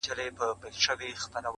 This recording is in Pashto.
د هر ښار په جنایت کي به شامل وو-